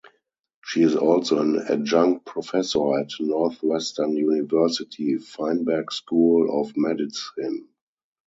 She is also an adjunct professor at Northwestern University Feinberg School of Medicine.